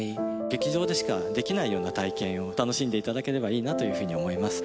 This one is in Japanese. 劇場でしかできないような体験を楽しんで頂ければいいなというふうに思います。